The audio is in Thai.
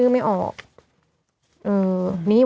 ไม่มี